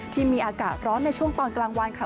ที่มีอากาศร้อนในช่วงตอนกลางวันค่ะ